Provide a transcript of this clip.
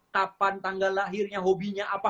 kapan tanggal lahirnya hobinya apa